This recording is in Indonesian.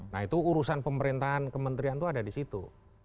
nah itu urusan pemerintahan kementerian itu ada di situ